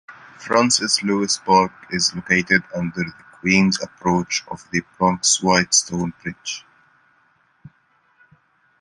Francis Lewis Park is located under the Queens approach of the Bronx Whitestone Bridge.